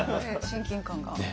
親近感が。